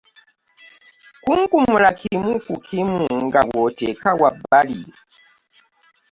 Kunkumula kimu ku kimu nga bwoteeka w'abbali.